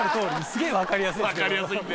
すげぇ分かりやすい。